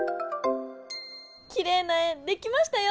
きれいな円できましたよ！